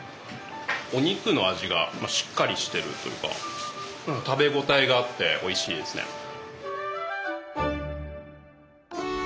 お肉の味がしっかりしてるというか食べ応えがあっておいしいですね。